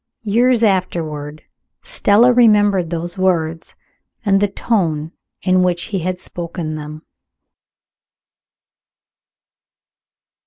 Years afterward Stella remembered those words, and the tone in which he had spoken them.